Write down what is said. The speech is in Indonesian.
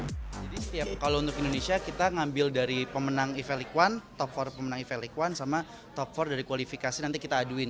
jadi setiap kalau untuk indonesia kita ngambil dari pemenang ifel i top empat pemenang ifel i sama top empat dari kualifikasi nanti kita aduin